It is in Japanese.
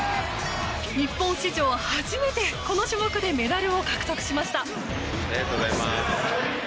日本史上初めてこの種目でメダルを獲得しました。